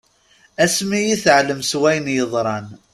Asmi i teɛllem s wayen yeḍran.